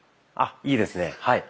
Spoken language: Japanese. あいいですね。